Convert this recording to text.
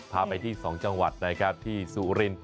พาไปที่๒จังหวัดนะครับที่สุริน